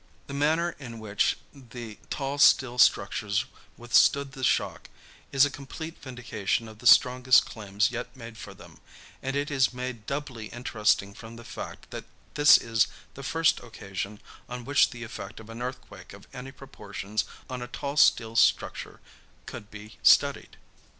The manner in which the tall steel structures withstood the shock is a complete vindication of the strongest claims yet made for them, and it is made doubly interesting from the fact that this is the first occasion on which the effect of an earthquake of any proportions on a tall steel structure could be studied.